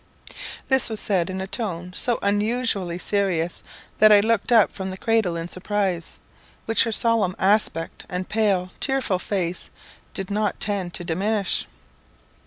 This was said in a tone so unusually serious, that I looked up from the cradle in surprise, which her solemn aspect, and pale, tearful face, did not tend to diminish.